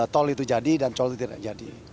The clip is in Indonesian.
tol itu jadi dan tol itu tidak jadi